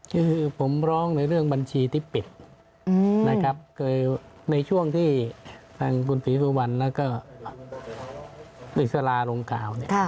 คือผมร้องในเรื่องบัญชีที่ปิดในช่วงที่ทางคุณฝีสุวรรณอึกษลาลงกล่าว